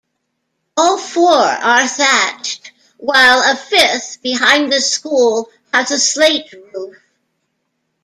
All four are thatched, while a fifth behind the school has a slate roof.